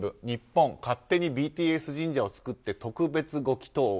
日本、勝手にＢＴＳ神社を作って特別ご祈祷